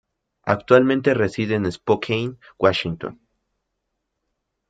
Actualmente reside en Spokane, Washington.